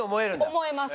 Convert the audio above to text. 思えます。